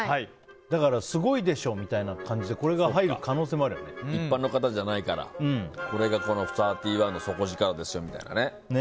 だから、すごいでしょみたいな感じで一般の方じゃないからこれがサーティーワンの底力ですよみたいなね。